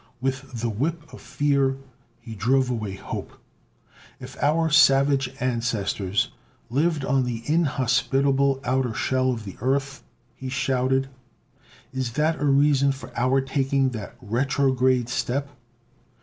With the whip of fear he drove away hope. "If our savage ancestors lived on the inhospitable outer shell of the earth," he shouted, "is that a reason for our taking that retrograde step?